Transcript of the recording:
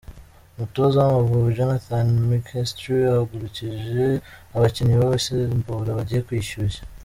Umutoza w’Amavubi Jonathan Mckinstry ahagurukije abakinnyi b’abasimbura bagiye kwishyushya.